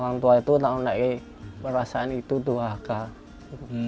orang tua itu tahun nanti perasaan itu dua akal